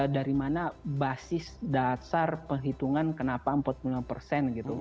dari mana basis dasar penghitungan kenapa empat puluh lima persen gitu